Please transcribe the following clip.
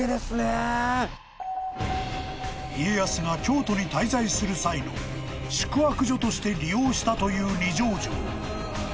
［家康が京都に滞在する際の宿泊所として利用したという二条城］